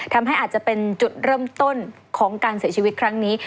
อาจจะเป็นจุดเริ่มต้นของการเสียชีวิตครั้งนี้